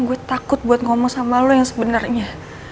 gue takut buat ngomong sama lo yang sebenarnya